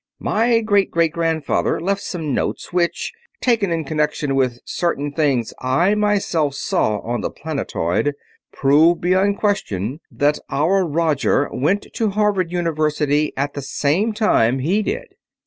My great great grandfather left some notes which, taken in connection with certain things I myself saw on the planetoid, prove beyond question that our Roger went to Harvard University at the same time he did.